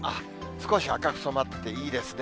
少し赤く染まってて、いいですね。